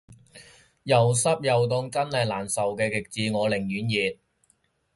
有濕又凍真係難受嘅極致，我寧願熱